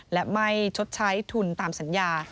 และไม่ชดใช้ทุนตามสัญญา